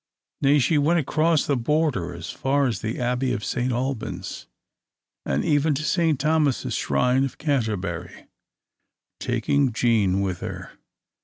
Nay, she went across the Border as far as the Abbey of St. Alban's, and even to St. Thomas's shrine of Canterbury, taking Jean with her.